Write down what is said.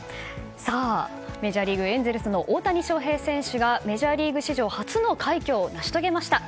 メジャーリーグエンゼルスの大谷翔平選手がメジャーリーグ史上初の快挙を成し遂げました。